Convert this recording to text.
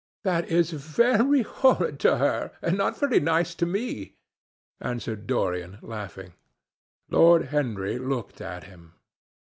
"That is very horrid to her, and not very nice to me," answered Dorian, laughing. Lord Henry looked at him.